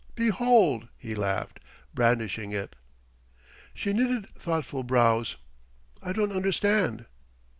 "Behold!" he laughed, brandishing it. She knitted thoughtful brows: "I don't understand."